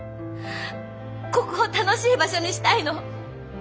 ここを楽しい場所にしたいの。